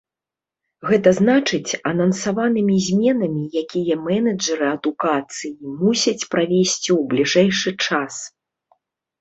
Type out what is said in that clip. Гэта значыць, анансаванымі зменамі, якія менеджары адукацыі мусяць правесці ў бліжэйшы час.